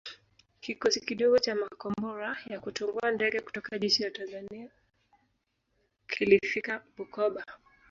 Kikosi kidogo cha makombora ya kutungua ndege kutoka jeshi la Tanzania kilifika Bukoba